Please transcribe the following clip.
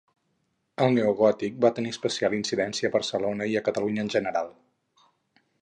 El neogòtic va tenir especial incidència a Barcelona i a Catalunya en general.